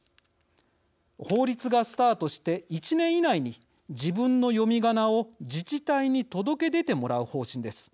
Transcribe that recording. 法律がスタートして１年以内に自分の読みがなを自治体に届け出てもらう方針です。